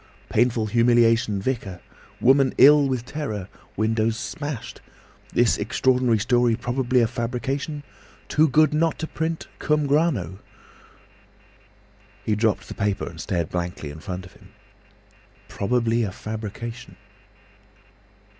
Painful humiliation—vicar. Woman ill with terror! Windows smashed. This extraordinary story probably a fabrication. Too good not to print—cum grano!" He dropped the paper and stared blankly in front of him. "Probably a fabrication!"